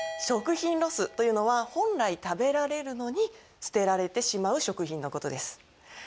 食品ロスというのは本来食べられるのに捨てられてしまう食品のことです。